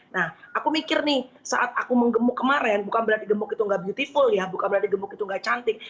nah aku mikir nih saat aku menggemuk kemarin bukan berarti gemuk itu nggak beautiful ya bukan berarti gemuk itu nggak cantik